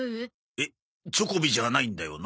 えっチョコビじゃないんだよな。